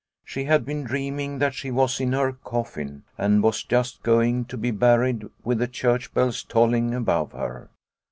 She had been dreaming that she was in her coffin, and was just going to be buried with the church bells tolling above her.